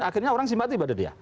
akhirnya orang simpati pada dia